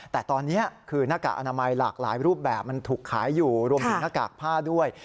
แต่ตอนนี้คือหน้ากากอนามัยหลากหลายรูปแบบมันถูกขายอยู่รวมถึงหน้ากากผ้าด้วย